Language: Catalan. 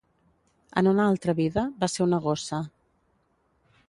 En una altre vida, va ser una gossa.